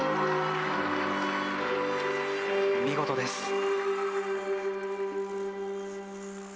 見事です。